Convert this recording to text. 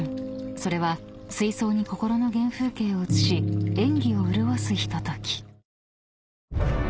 ［それは水槽に心の原風景を映し演技を潤すひととき］